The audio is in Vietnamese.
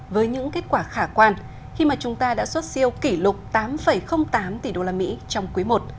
với những kết quả khả quan khi mà chúng ta đã xuất siêu kỷ lục tám tám tỷ usd trong quý i